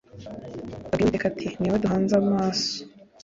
abwira Uwiteka ati Ni wowe duhanze amaso